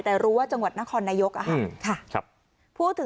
แต่รู้ว่าจังหวัดนครนายกอะค่ะ